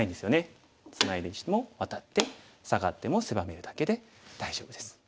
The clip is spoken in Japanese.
ツナいできてもワタってサガっても狭めるだけで大丈夫です。